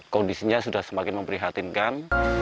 kondisinya sudah semakin memprihatinkan